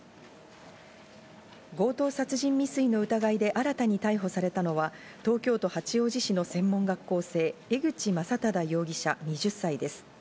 強盗殺人未遂の疑いで新たに逮捕されたのは東京都八王子市の専門学校生、江口将匡容疑者、２０歳です。